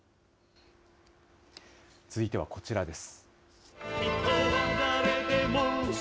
続いてはこちらです。